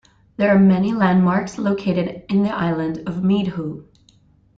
There are many landmarks located in the island of Meedhoo.